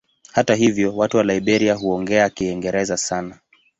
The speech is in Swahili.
Hata hivyo watu wa Liberia huongea Kiingereza sana.